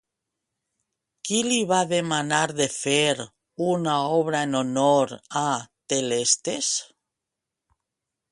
Qui li va demanar de fer una obra en honor a Telestes?